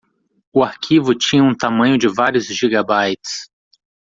O arquivo tinha um tamanho de vários gigabytes.